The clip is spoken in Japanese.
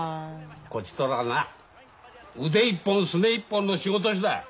こちとらな腕一本すね一本の仕事師だ！